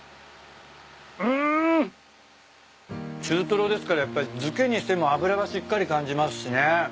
中とろですからやっぱり漬けにしても脂がしっかり感じますしね。